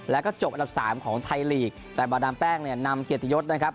แล้วก็จบอันดับสามของไทยลีกแต่บาดามแป้งเนี่ยนำเกียรติยศนะครับ